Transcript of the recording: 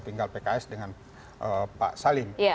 tinggal pks dengan pak salim